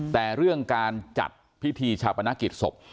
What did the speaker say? แต่เรื่องการจัดพิธีชาปนกิจศพ